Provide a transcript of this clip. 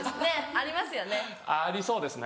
ありそうですね。